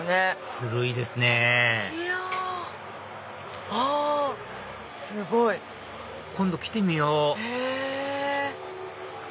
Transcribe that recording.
古いですねぇあすごい。今度来てみよう